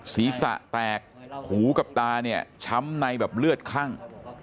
ศีรษะแตกหูกับตาเนี่ยช้ำในแบบเลือดคั่ง